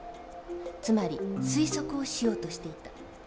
つまり推測をしようとしていた。